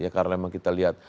karena memang kita lihat